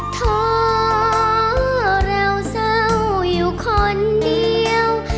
ท้อเราเศร้าอยู่คนเดียว